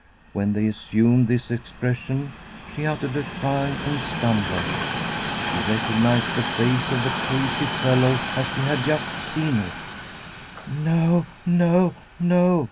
When they assumed this expression she uttered a cry and stumbled. She recognised the face of the crazy fellow as she had just seen it. ' No, no, no